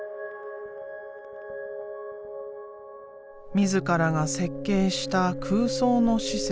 自らが設計した空想の施設。